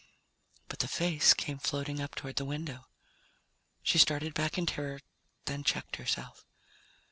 But the face came floating up toward the window. She started back in terror, then checked herself.